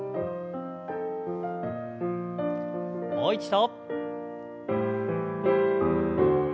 もう一度。